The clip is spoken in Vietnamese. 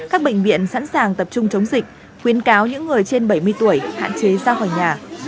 các bệnh viện sẵn sàng tập trung chống dịch khuyến cáo những người trên bảy mươi tuổi hạn chế ra khỏi nhà